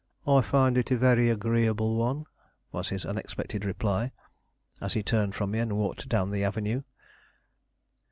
"I find it a very agreeable one," was his unexpected reply, as he turned from me and walked down the avenue.